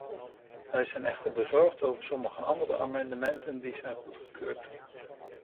Wij zijn echter bezorgd over sommige andere amendementen die zijn goedgekeurd.